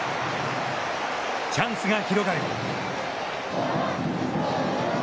チャンスが広がる。